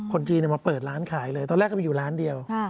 คนจีนมาเปิดร้านขายเลยตอนแรกก็ไปอยู่ร้านเดียว